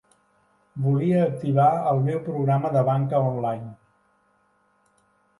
Volia activar el meu programa de banca online.